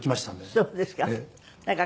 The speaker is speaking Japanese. そうですか。